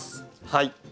はい。